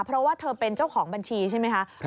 เพราะว่าเธอเป็นเจ้าของบัญชีใช่ไหมคะ